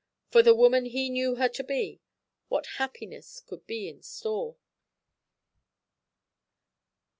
For the woman he knew her to be, what happiness could be in store?